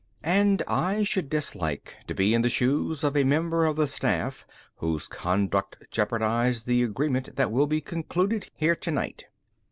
And I should dislike to be in the shoes of a member of the staff whose conduct jeopardized the agreement that will be concluded here tonight."